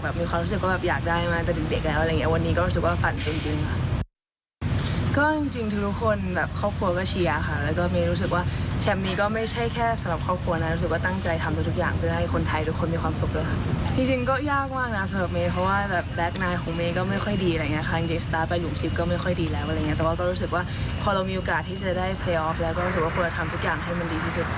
เพราะฉะนั้นก็ควรทำทุกอย่างให้มันดีที่สุด